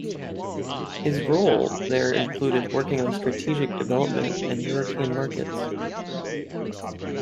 His role there included working on strategic development and European markets.